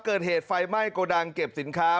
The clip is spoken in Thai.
เกิดเหตุไฟไหม้โกดังเก็บสินค้า